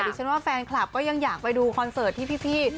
ฉันว่าแฟนคลับก็ยังอยากไปดูคอนเสิร์ตที่พี่